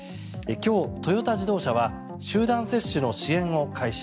今日、トヨタ自動車は集団接種の支援を開始。